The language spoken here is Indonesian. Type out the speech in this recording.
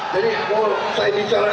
jadi mau saya bicara apa adanya